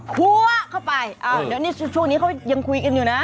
พัวเข้าไปช่วงนี้เขายังคุยกันอยู่นะ